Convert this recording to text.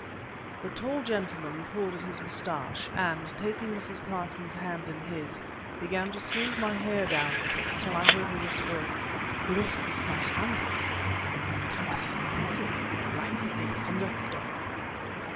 The tall gentleman pulled at his moustache, and, taking Mrs. Carson's hand in his, began to smooth my hair down with it till I heard her whisper— "Leave go my hand, cousin. Thomas is looking like—like the thunderstorm."